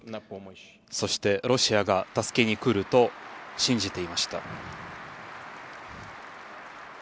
そして、ロシアが助けに来ると信じていました。